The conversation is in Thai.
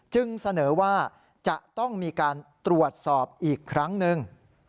จึงเสนอว่าจะต้องมีการตรวจสอบอีกครั้งหนึ่ง